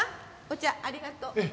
お茶ありがとう。ええ。